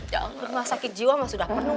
ya allah mah sakit jiwa mah sudah penuh